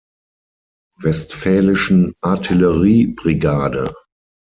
Westfälischen Artillerie-Brigade.